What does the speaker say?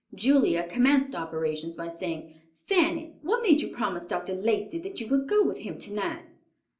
Julia commenced operations by saying, "Fanny, what made you promise Dr. Lacey that you would go with him tonight?"